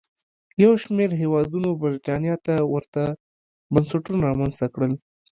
یو شمېر هېوادونو برېټانیا ته ورته بنسټونه رامنځته کړل.